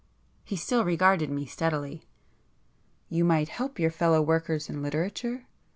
He still regarded me steadily. "You might help your fellow workers in literature...."